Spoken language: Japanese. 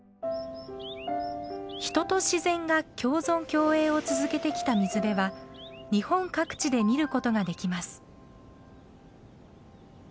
人と自然が共存共栄を続けてきた水辺は日本各地で見ることができます。